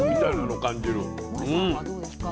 もえさんはどうですか？